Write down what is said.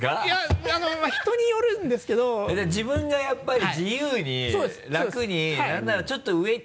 いや人によるんですけど自分がやっぱり自由に楽に何ならちょっと上。